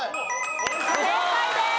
正解です。